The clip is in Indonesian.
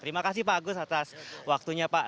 terima kasih pak agus atas waktunya pak